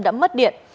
đã mất điện